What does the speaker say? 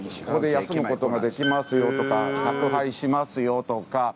ここで休むことができますよとか宅配しますよとか